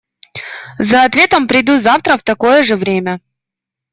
За ответом приду завтра в такое же время.